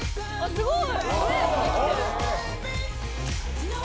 すごい！